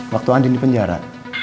waktu andin di penjara